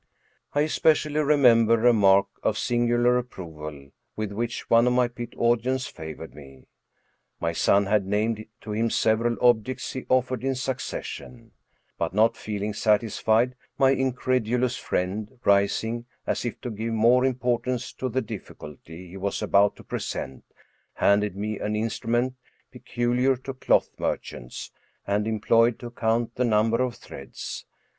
I especially remember a mark of singular approval with which one of my pit audience favored me. My son had named to him several objects he offered in succession ; but not feeling satisfied, my incredulous friend, rising, as if to give more importance to the difficulty he was about to present, handed me an instrument peculiar to cloth mer chants, and employed to count the number of threads.